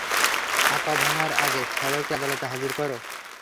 হাত-পা ভাঙার আগে সবাইকে আদালতে হাজির কর?